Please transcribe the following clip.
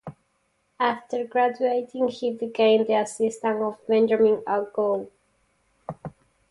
After graduating, he became the assistant of Benjamin A. Gould.